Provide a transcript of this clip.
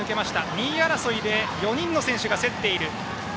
２位争いで４人の選手が競っている。